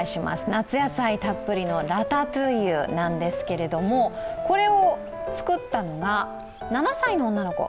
夏野菜たっぷりのラタトゥイユなんですけれどもこれを作ったのが７歳の女の子。